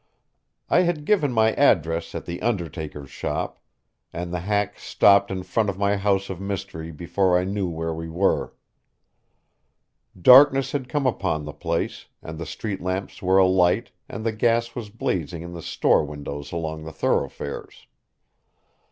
I had given my address at the undertaker's shop, and the hack stopped in front of my house of mystery before I knew where we were. Darkness had come upon the place, and the street lamps were alight and the gas was blazing in the store windows along the thoroughfares.